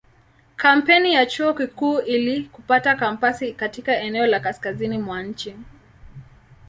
Kampeni ya Chuo Kikuu ili kupata kampasi katika eneo la kaskazini mwa nchi.